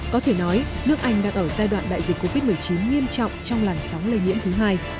có thể nói nước anh đang ở giai đoạn đại dịch covid một mươi chín nghiêm trọng trong làn sóng lây nhiễm thứ hai